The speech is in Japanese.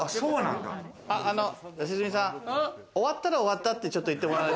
良純さん、終わったら終わったって、ちょっと言ってもらって。